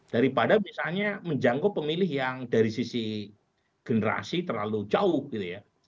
daripada misalnya menjangkau pemilih yang dari sisi generasi terlalu jauh gitu ya